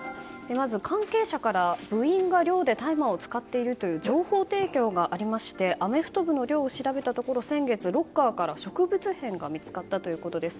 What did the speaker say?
まず関係者から部員が寮で大麻を使っているという情報提供がありましてアメフト部の寮を調べると先月、ロッカーから植物片が見つかったということです。